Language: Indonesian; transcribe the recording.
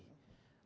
nah itu mendorong